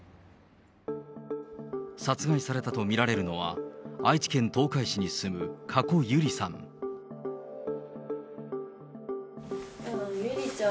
殺害されたとみられるのは、愛知県東海市に住む加古ゆりさん。